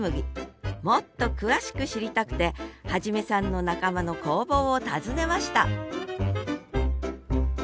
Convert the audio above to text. もっと詳しく知りたくて元さんの仲間の工房を訪ねました